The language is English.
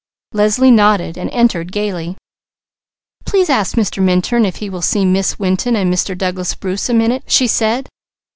Leslie nodded and entered gaily. "Please ask Mr. Minturn if he will see Miss Winton and Mr. Douglas Bruce a minute?" she said.